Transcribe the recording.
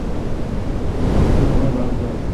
এই ফোনটা তখন বাজবে যখন তোর মালিক তোকে ডাকবে।